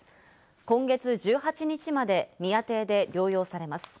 今月１８日まで宮邸で療養されます。